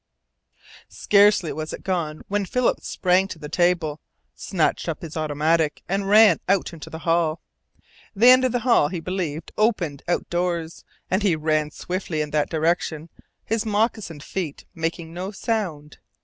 Scarcely was it gone when Philip sprang to the table, snatched up his automatic, and ran out into the hall. The end of the hall he believed opened outdoors, and he ran swiftly in that direction, his moccasined feet making no sound.